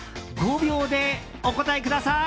５秒でお答えください。